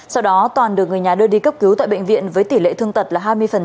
sau đó toàn được người nhà đưa đi cấp cứu tại bệnh viện với tỷ lệ thương tật là hai mươi